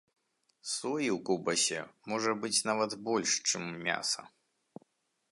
Соі ў каўбасе можа быць нават больш, чым мяса!